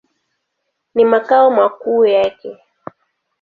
Ni makao makuu yake.